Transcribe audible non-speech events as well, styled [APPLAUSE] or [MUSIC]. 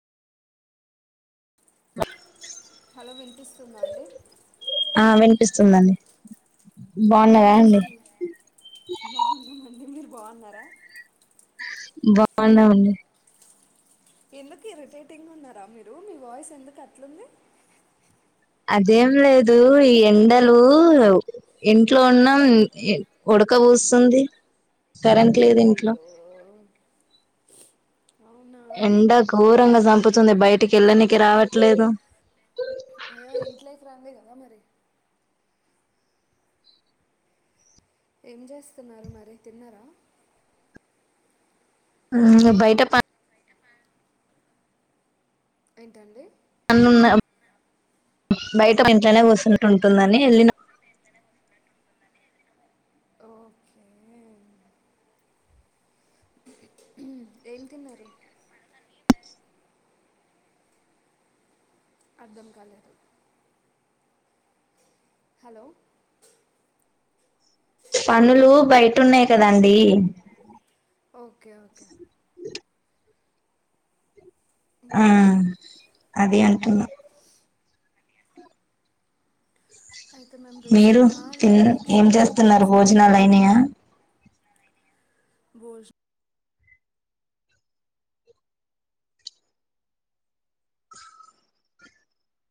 [UNINTELLIGIBLE] Hello వినిపిస్తుందా అండి ఆ వినిపిస్తుందండి. ఏం బాగున్నారా అండి చేస్తున్ బాగున్నమండి మీరు బాగున్నారా బాగున్నామండి ఎందుకు ఇరిటేటింగున్నారా మీరు మీ వాయిస్ ఎందుకు అట్లుంది అదేం లేదు ఈ ఎండలు ఇంట్లో ఉన్నం ఉడక పోస్తుంది కరెంట్ లేదు ఇంట్లో అయ్యో అవునా ఎండ గోరంగా సంపుతుంది బయటికి ఎళ్ళనికి రావట్లేదు అయ్యో ఇంట్లోకి రండి కదా మరి [INAUDIBLE] ఏం చేస్తున్నారు మరి తిన్నరా బయట ప ఏంటండి న్నున్న బయట ఇంట్లోనే కూస్తుంట ఉంటుందని వెళ్ళిన ఓకే ఏం తిన్నరేం అర్థం కాలేదు హలో పనులు బయటున్నయి కదండీ ఓకే ఓకే ఆ అదే అంటున్న. అయితే మేమ్ మీరు రీసెంట్గా తిన్ లేక్ ఏం షోర్ అనే చేస్తున్నారు ప్లేస్ భోజనాలు కెళ్ళినమూ. అయినాయా భోజ్